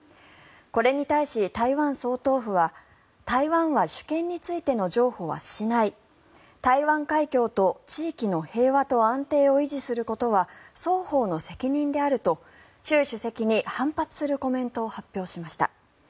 これに対し、台湾総統府は台湾は主権についての譲歩はしない台湾海峡と地域の平和と安定を維持することは双方の責任であると習主席に反発するコメントを発表しました。